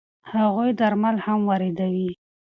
هغوی درمل هم واردوي.